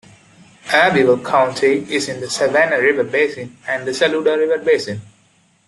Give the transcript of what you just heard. Abbeville County is in the Savannah River basin and the Saluda River basin.